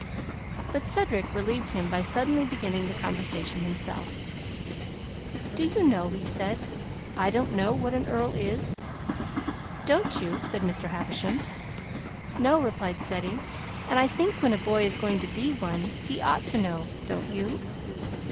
But Cedric relieved him by suddenly beginning the conversation himself. "Do you know," he said, "I don't know what an earl is?" "Don't you?" said Mr. Havisham. "No," replied Ceddie. "And I think when a boy is going to be one, he ought to know. Don't you?"